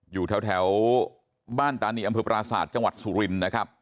อยู่แถวบ้านตานีอำเภอปราศาสตร์จังหวัดสุรินนะครับ